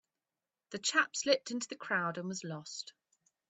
The chap slipped into the crowd and was lost.